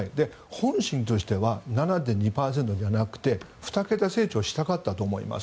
本心としては７．２％じゃなくて２桁成長したかったと思います。